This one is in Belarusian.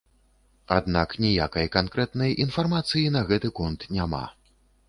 Аднак ніякай канкрэтнай інфармацыі на гэты конт няма.